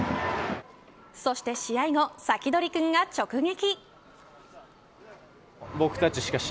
そして試合後サキドリくんが直撃。